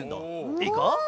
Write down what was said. いいか？